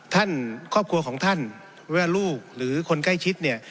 ครอบครัวของท่านเวลาลูกหรือคนใกล้ชิดเนี่ย